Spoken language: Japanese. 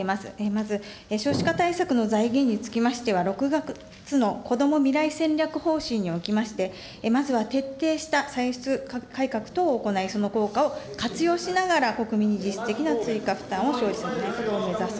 まず、少子化対策の財源につきましては、６月のこども未来戦略方針におきまして、まずは徹底した歳出改革等を行い、その効果を活用しながら、国民に実質的な追加負担を生じさせない、それを目指す。